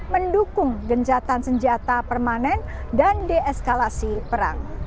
mendukung gencatan senjata permanen dan deeskalasi perang